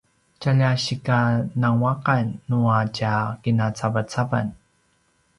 tjalja sika nanguaqan nua tja kinacavacavan